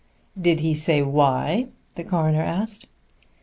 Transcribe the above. "Did he say why?" the coroner asked.